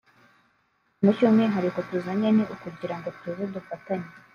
Ikintu cy’umwihariko tuzanye ni ukugira ngo tuze dufatanye